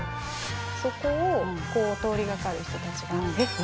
そこを通り掛かる人たちが。